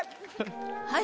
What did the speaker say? はい。